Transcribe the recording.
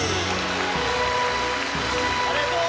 ありがとう！